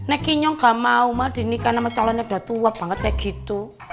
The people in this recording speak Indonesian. aku gak mau karena aku udah tua banget